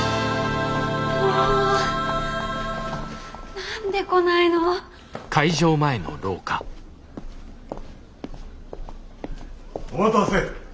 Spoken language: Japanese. もう何で来ないの！お待たせ。